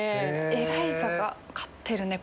エライザが飼ってる猫。